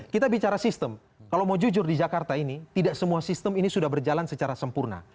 kita bicara sistem kalau mau jujur di jakarta ini tidak semua sistem ini sudah berjalan secara sempurna